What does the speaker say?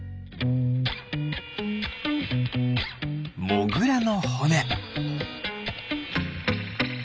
モグラのほね。